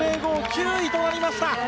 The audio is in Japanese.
９位となりました。